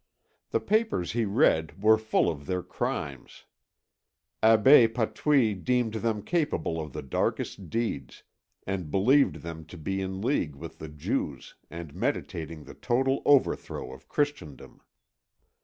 The papers he read were full of their crimes. Abbé Patouille deemed them capable of the darkest deeds, and believed them to be in league with the Jews and meditating the total overthrow of Christendom.